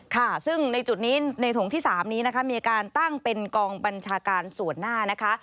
ค่ะซึ่งในถุงที่๓นี้มีการตั้งเป็นกองบัญชาการสวดหน้า